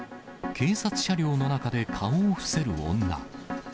警察車両の中で顔を伏せる女。